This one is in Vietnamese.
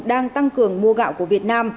đang tăng cường mua gạo của việt nam